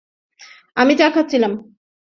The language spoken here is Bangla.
আমি চা খাচ্ছিলাম।